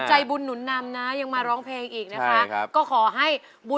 ใช่ครับ